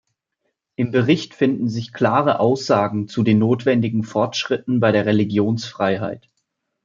Im Bericht finden sich klare Aussagen zu den notwendigen Fortschritten bei der Religionsfreiheit.